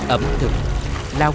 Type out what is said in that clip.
ẩm thực lao động